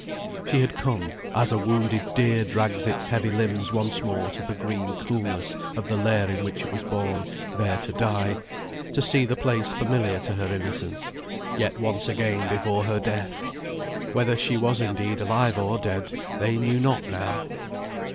She had come (as a wounded deer drags its heavy limbs once more to the green coolness of the lair in which it was born, there to die) to see the place familiar to her innocence, yet once again before her death. Whether she was indeed alive or dead, they knew not now.